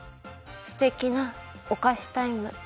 すてきなおかしタイム。